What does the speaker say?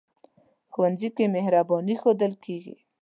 ښوونځی کې مهرباني ښودل کېږي